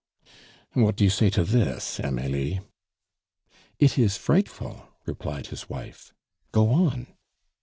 "What do you say to this, Amelie?" "It is frightful!" repled his wife. "Go on."